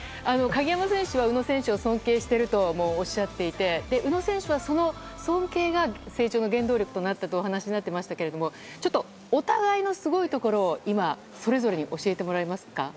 鍵山選手は宇野選手を尊敬しているとおっしゃっていて宇野選手は、その尊敬が成長の原動力となったとお話しになってましたけどちょっとお互いのすごいところを今、それぞれ教えてもらえますか？